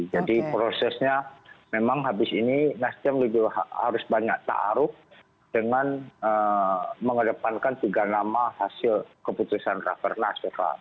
jadi prosesnya memang habis ini nasdem lebih harus banyak taruh dengan mengedepankan tiga nama hasil keputusan rakernas eva